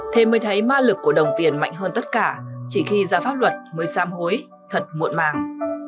thế mới thấy ma lực của đồng tiền mạnh hơn tất cả chỉ khi ra pháp luật mới sam hối thật muộn màng